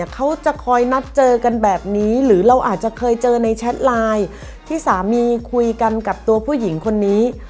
เขาจะคอยนัดเจอกันแบบนี้หรือเราอาจจะเคยเจอในแชทไลน์ที่สามีคุยกันกับตัวผู้หญิงคนนี้